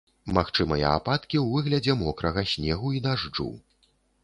Магчымыя ападкі ў выглядзе мокрага снегу і дажджу.